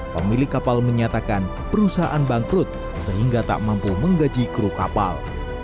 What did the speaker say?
pemilik kapal menyatakan perusahaan bangkrut sehingga tak mampu menggaji kru kapal